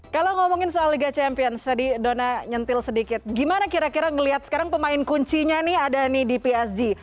kalau ngomongin soal liga champions tadi dona nyentil sedikit gimana kira kira ngelihat sekarang pemain kuncinya nih ada nih di psg